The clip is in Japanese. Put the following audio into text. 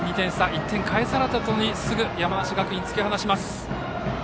１点返されたあとすぐに山梨学院突き放します。